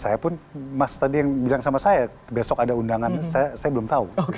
saya pun mas tadi yang bilang sama saya besok ada undangan saya belum tahu